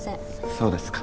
そうですか。